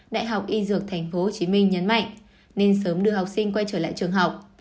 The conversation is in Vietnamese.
đại học y dược tp hcm nhấn mạnh nên sớm đưa học sinh quay trở lại trường học